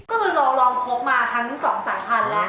ก็เลยลองลองคบมาทั้งสองสามพันแล้ว